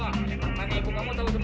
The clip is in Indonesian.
diam diam diam